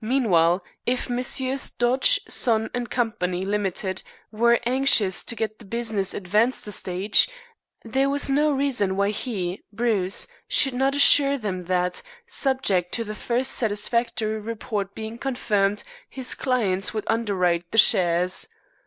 Meanwhile, if Messrs. Dodge, Son & Co. (Limited) were anxious to get the business advanced a stage, there was no reason why he (Bruce) should not assure them that, subject to the first satisfactory report being confirmed, his clients would underwrite the shares.